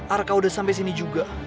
arka udah sampai sini juga